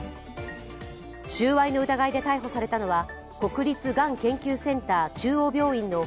収賄の疑いで逮捕されたのは、国立がん研究センター中央病院の